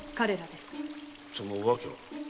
その訳は？